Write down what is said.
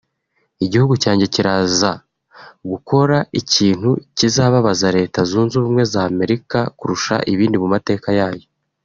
“Igihugu cyanjye kiraza gukora ikintu kizababaza Leta zunze ubumwe z’ Amerika kurusha ibindi mu mateka yayo